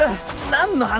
何の話？